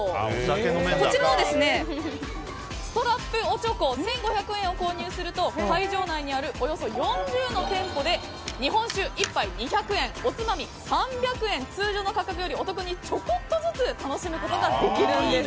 こちらは、ストラップおちょこ１５００円を購入すると会場内にあるおよそ４０の店舗で日本酒１杯２００円おつまみ３００円通常の価格よりお得にちょこっとずつ楽しむことができるんです。